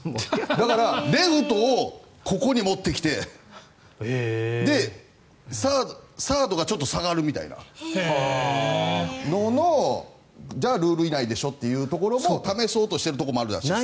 だからレフトをここに持ってきてで、サードがちょっと下がるみたいなのもじゃあ、ルール内でしょというところも試そうとしているところもあるらしいです。